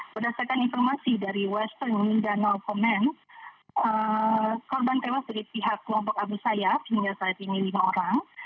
berdasarkan informasi dari western danau command korban tewas dari pihak kelompok abu sayyaf hingga saat ini lima orang